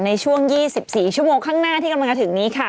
ในช่วง๒๔ชั่วโมงข้างหน้าที่กำลังจะถึงนี้ค่ะ